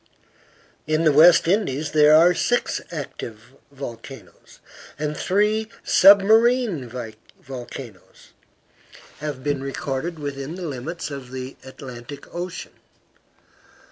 In the West Indies there are six active volcanoes; and three submarine volcanoes have been recorded within the limits of the Atlantic Ocean.